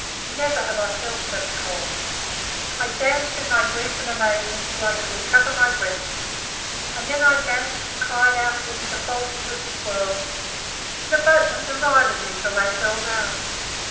Never have I felt such cold. I danced in my grief and amazement till I could recover my breath and then I danced and cried out against the falseness of this world; and the boatmen derided me till they fell down.